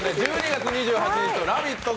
１２月２８日の「ラヴィット！」